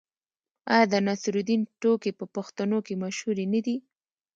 آیا د نصرالدین ټوکې په پښتنو کې مشهورې نه دي؟